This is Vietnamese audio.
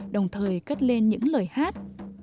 đồng thời cất lên những lời hát